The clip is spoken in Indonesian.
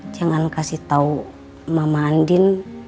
jangan kasih tau mama andien